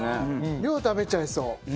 量食べちゃいそう。